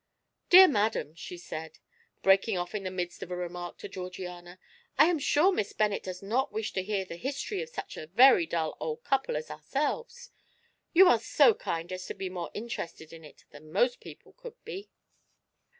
"Dear madam," she said, breaking off in the midst of a remark to Georgiana, "I am sure Miss Bennet does not wish to hear the history of such a very dull old couple as ourselves. You are so kind as to be more interested in it than most people could be."